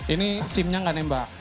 ini simnya gak nembak